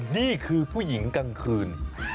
นี่คือผู้หญิงกลางคืน